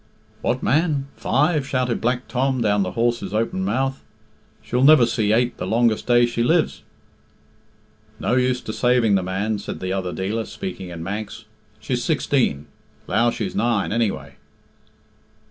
"What, man? Five?" shouted Black Tom down the horse's open mouth. "She'll never see eight the longest day she lives." "No use decaiving the man," said the other dealer, speaking in Manx. "She's sixteen 'low she's nine, anyway."